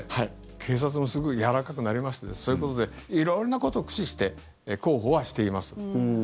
警察もすごくやわらかくなりましてそういうことで色んなことを駆使して広報はしています。